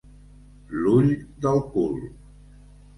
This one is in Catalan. L'ull del cul.